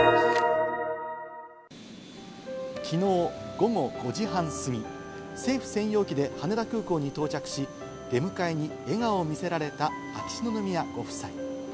きのう午後５時半過ぎ、政府専用機で羽田空港に到着し、出迎えに笑顔を見せられた秋篠宮ご夫妻。